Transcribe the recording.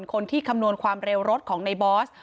คนที่คำนวณความเร็วรถของในบอส